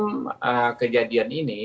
sebelum kejadian ini